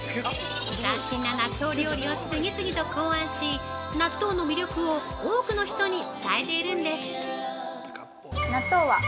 斬新な納豆料理を次々と考案し納豆の魅力を多くの人に伝えているんです！